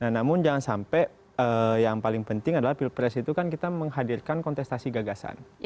namun jangan sampai yang paling penting adalah pilpres itu kan kita menghadirkan kontestasi gagasan